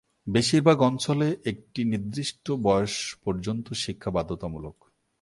বেশিরভাগ অঞ্চলে একটি নির্দিষ্ট বয়স পর্যন্ত শিক্ষা বাধ্যতামূলক।